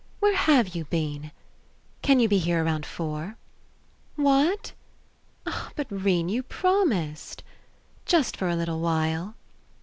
... Where have you been? ... Can you be here around four? ... What? ... But, 'Rene, you promised! Just for a little while.